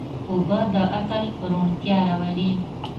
اوبه د عقل روڼتیا راولي.